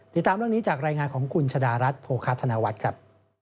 ติดตามเรื่องนี้จากรายงานของคุณชะดารัฐโภคาธนวัฒน์ครับ